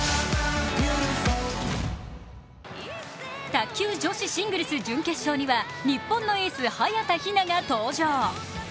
卓球女子シングルス準決勝には日本のエース・早田ひなが登場。